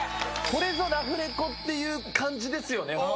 これぞラフレコっていう感じですよね。